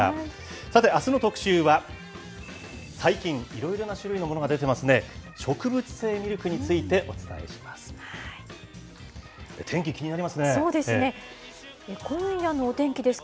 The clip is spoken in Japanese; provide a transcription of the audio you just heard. さてあすの特集は、最近、いろいろな種類のものが出てますね、植物性ミルクについてお伝えします。